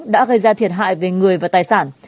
đã gây ra thiệt hại về người và tài sản